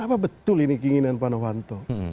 apa betul ini keinginan pak novanto